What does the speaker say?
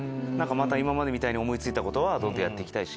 今までみたいに思い付いたことはどんどんやって行きたいし。